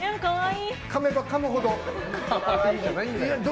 かめばかむほど。